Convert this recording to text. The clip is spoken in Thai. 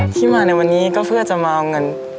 ที่มาในวันนี้ก็เพื่อจะมาเอาเงิน